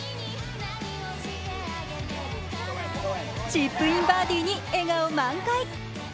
チップインバーディーに笑顔満開。